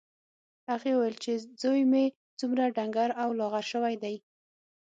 هغې وویل چې زوی مې څومره ډنګر او لاغر شوی دی